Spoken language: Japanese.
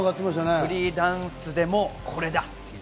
フリーダンスでもこれだっていう。